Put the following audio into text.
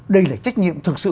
đây là trách nhiệm thực sự